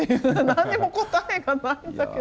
何にも答えがないんだけど。